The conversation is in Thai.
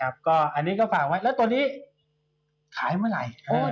อันนี้ก็ฝากไว้แล้วตัวนี้ขายเมื่อไหร่